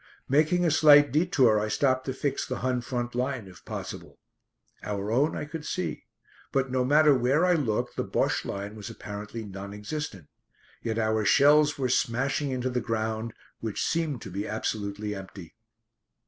Making a slight detour I stopped to fix the Hun front line if possible. Our own I could see. But no matter where I looked the Bosche line was apparently non existent. Yet our shells were smashing into the ground, which seemed to be absolutely empty.